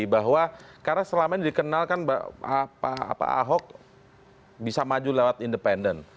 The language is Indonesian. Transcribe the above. bahwa karena selama ini dikenalkan ahok bisa maju lewat independen